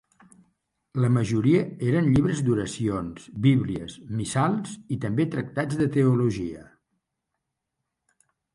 La majoria eren llibres d’oracions, bíblies, missals, i també tractats de teologia.